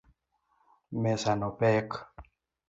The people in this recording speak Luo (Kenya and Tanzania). Mesa no pek